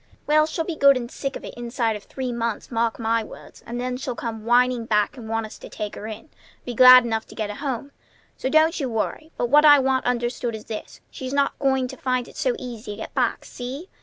"Well, she'll be good and sick of it inside of three months, mark my words; and then she'll come whining back and want us to take her in; be glad enough to get a home. So don't you worry. But what I want understood is this: She's not going to find it so easy to get back. See?